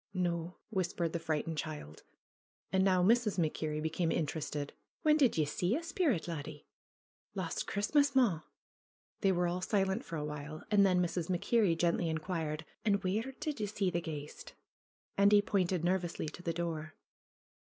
"No," whispered the frightened child. And now Mrs. MacKerrie became interested. "When did ye see a sperrit, laddie ?" "Last Christmas, maw.'^ They were all silent for a while. And then Mrs. MacKerrie gently inquired: "And where did ye see the ghaist ?" Andy pointed nervously to the door.